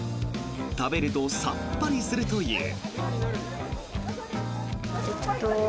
食べるとさっぱりするという。